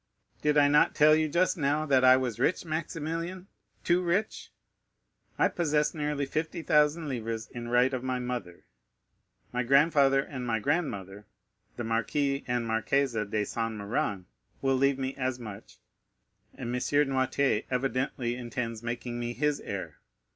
"Did I not tell you just now that I was rich, Maximilian—too rich? I possess nearly 50,000 livres in right of my mother; my grandfather and my grandmother, the Marquis and Marquise de Saint Méran, will leave me as much, and M. Noirtier evidently intends making me his heir.